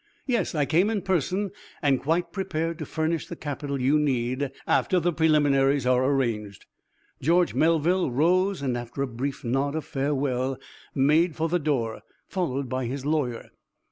"Yes, I came in person, and quite prepared to furnish the capital you need after the preliminaries are arranged." George Melville rose and after a brief nod of farewell made for the door, followed by his lawyer.